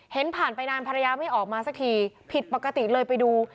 เห็นผ่านไปนานภรรยาไม่ออกมาสักทีผิดปกติเลยไปดู